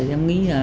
em nghĩ là